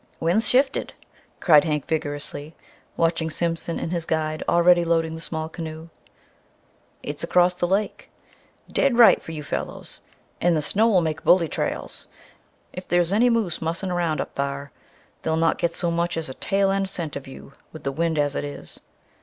"Wind's shifted!" cried Hank vigorously, watching Simpson and his guide already loading the small canoe. "It's across the lake dead right for you fellers. And the snow'll make bully trails! If there's any moose mussing around up thar, they'll not get so much as a tail end scent of you with the wind as it is.